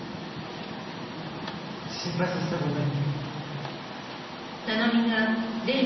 心配させてごめん。